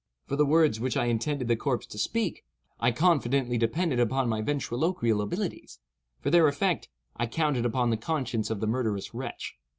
For the words which I intended the corpse to speak, I confidently depended upon my ventriloquial abilities; for their effect, I counted upon the conscience of the murderous wretch.